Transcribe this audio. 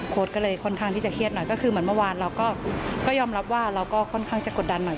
ก็เลยค่อนข้างที่จะเครียดหน่อยก็คือเหมือนเมื่อวานเราก็ยอมรับว่าเราก็ค่อนข้างจะกดดันหน่อย